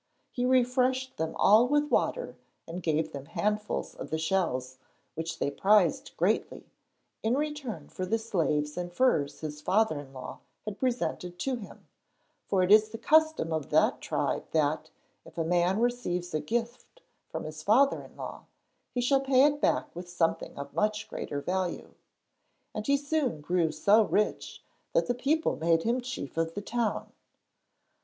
He refreshed them all with water and gave them handfuls of the shells, which they prized greatly, in return for the slaves and furs his father in law had presented to him, for it is the custom of that tribe that, if a man receives a gift from a father in law, he shall pay it back with something of much greater value. And he soon grew so rich that the people made him chief of the town.